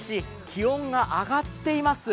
気温が上がっています。